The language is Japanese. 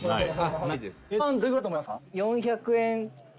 ７００円。